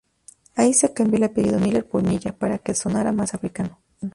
Ahí se cambió el apellido Miller por Milla para que sonara más africano.